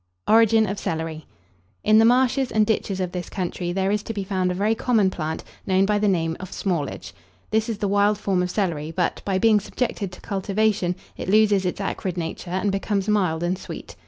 ORIGIN OF CELERY. In the marshes and ditches of this country there is to be found a very common plant, known by the name of Smallage. This is the wild form of celery; but, by being subjected to cultivation, it loses its acrid nature, and becomes mild and sweet.